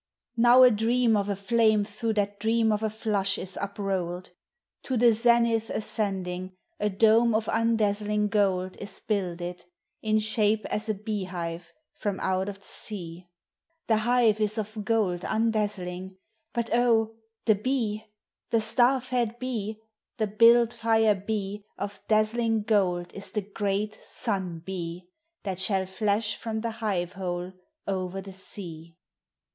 Now a dream of a flame through that dream of a flush is uprolled: To the zenith ascending, a dome of undazzling gold Is builded, in shape as a beehive, from out of the sea; The hive is of gold undazzling; but oh! the Bee, The star fed Bee, the build fire Bee, Of dazzling gold is the great Sun Bee That shall flash from the hive hole over the sea.